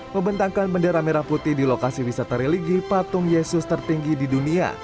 membentangkan bendera merah putih di lokasi wisata religi patung yesus tertinggi di dunia